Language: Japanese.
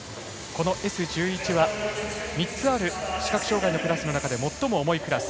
Ｓ１１は、３つある視覚障がいのクラスの中で最も重いクラス。